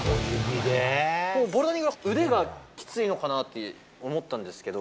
ボルダリングは腕がきついのかなって思ったんですけど。